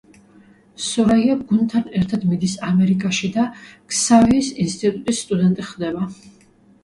სურაია გუნდთან ერთად მიდის ამერიკაში და ქსავიეს ინსტიტუტის სტუდენტი ხდება.